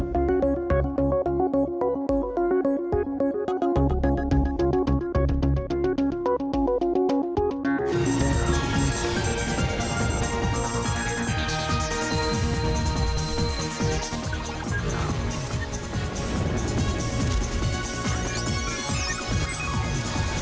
โปรดติดตามตอนต่อไป